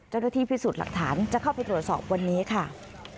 เจ้าหน้าที่พิสูจน์หลักฐานจะเข้าไปตรวจสอบวันนี้ค่ะ